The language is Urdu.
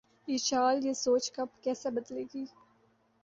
یہ چال، یہ سوچ کب‘ کیسے بدلے گی؟